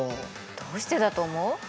どうしてだと思う？